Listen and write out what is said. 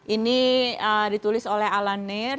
ini ditulis oleh alan neir